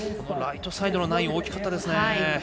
ライトサイドの９００大きかったですね。